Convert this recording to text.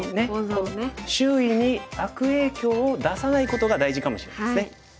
周囲に悪影響を出さないことが大事かもしれないですね。